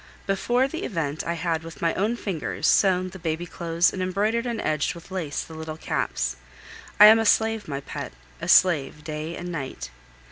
Before the event I had with my own fingers sewn the baby clothes and embroidered and edged with lace the little caps. I am a slave, my pet, a slave day and night.